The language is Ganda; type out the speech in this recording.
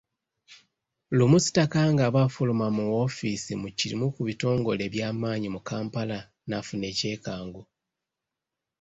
Lumu Sitakange aba afuluma mu woofiisi mu kimu ku bitongole eby’amaanyi mu Kampala n'afuna ekyekango.